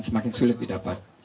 semakin sulit didapat